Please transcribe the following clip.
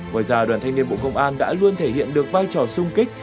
ngoài ra đoàn thanh niên bộ công an đã luôn thể hiện được vai trò sung kích